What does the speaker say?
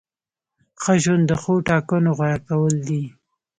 ښه ژوند د ښو ټاکنو غوره کول دي.